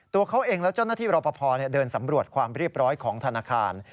ตัวเขาเองและเจ้าหน้าที่รอปภเดินสำรวจความเรียบร้อยของธนาคาร